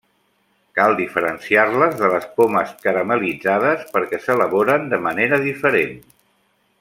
Cal diferenciar-les de les pomes caramel·litzades, perquè s'elaboren de manera diferent.